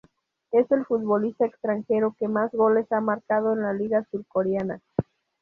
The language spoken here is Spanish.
Es el futbolista extranjero que más goles ha marcado en la liga surcoreana.